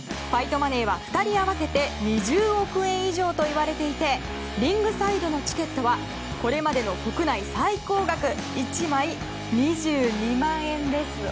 ファイトマネーは２人合わせて２０億円以上と言われていてリングサイドのチケットはこれまでの国内最高額１枚２２万円です。